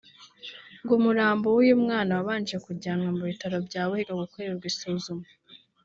ngo umurambo w’uyu mwana wabanje kujyanwa mu bitari bya Buhiga gukorerwa isuzuma